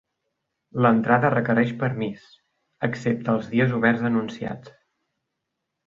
L'entrada requereix permís, excepte els dies oberts anunciats.